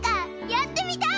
やってみたい！